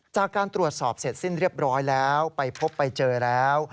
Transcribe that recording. จากการตรวจสอบเสร็จสิ้นเรียบร้อยแล้วไปพบไปเจอแล้ว